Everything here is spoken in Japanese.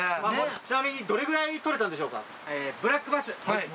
ちなみにどれくらい捕れたんでしょうか。